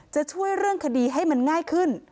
จะช่วยเรื่องคดีให้มันง่ายขึ้น